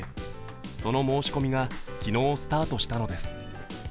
その申し込みが昨日、スタートしたのです。